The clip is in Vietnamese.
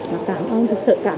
và cảm ơn thực sự cảm ơn